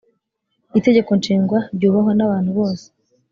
itegeko nshinga ryubahwa n abantu bose